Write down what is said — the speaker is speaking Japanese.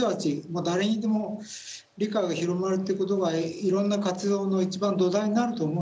あ誰にでも理解が広まるっていうことがいろんな活動の一番土台になると思うんですね。